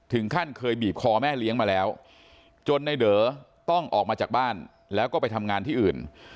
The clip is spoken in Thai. ถึงขั้นเคยบีบคอแม่เลี้ยงมาแล้วจนในเด๋อต้องออกมาจากบ้านแล้วก็ไปทำงานที่อื่น